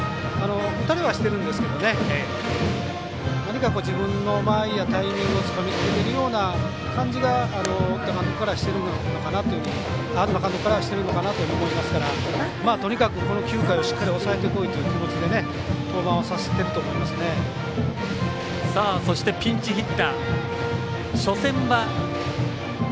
打たれはしてるんですけど何か自分の間合いやタイミングをつかみ取れるような感じが東監督からはしてるのかなと思いますからとにかく、この９回をしっかり抑えてこいという気持ちで登板をさせてると思いますね。